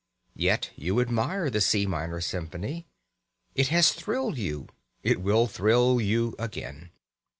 Yet you admire the C minor symphony. It has thrilled you. It will thrill you again.